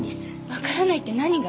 分からないって何が？